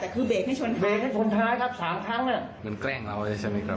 แต่คือเบรกไม่ชนท้ายไม่ชนท้ายครับสามครั้งมันแกล้งเราเลยใช่ไหมครับ